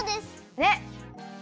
ねっ！